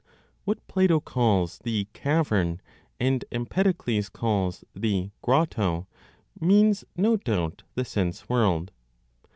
What Plato calls the "cavern" and Empedocles calls the "grotto," means no doubt the sense world.